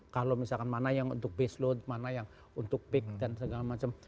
kalau misalkan mana yang untuk base load mana yang untuk big dan segala macam